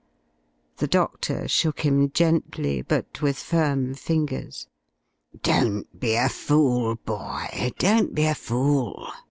The doctor shook him gently, but with firm fingers. "Don't be a fool, boy don't be a fool!"